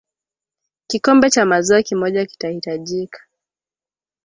kikombe cha maziwa kimoja kitahitajika